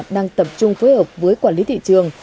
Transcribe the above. đang tập trung phối hợp với quản lý thị trường